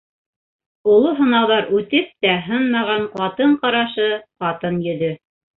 Оло һынауҙар үтеп тә һынмаған ҡатын ҡарашы, ҡатын йөҙө.